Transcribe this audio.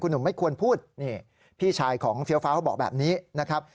หนุ่มไม่ควรพูดนี่พี่ชายของเฟี้ยวฟ้าเขาบอกแบบนี้นะครับ